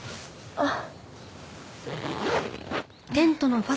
あっ。